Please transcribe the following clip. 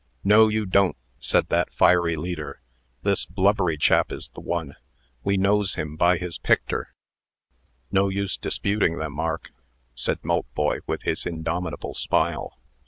"No, you don't!" said that fiery leader. "This blubbery chap is the one. We knows him by his picter." "No use disputing them, Mark," said Maltboy, with his indomitable smile.